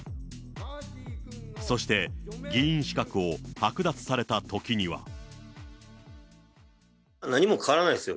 そして、議員資格を剥奪されたと何も変わらないですよ。